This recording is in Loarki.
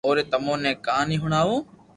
اوري تمو ني ڪھاني ھڻاوُ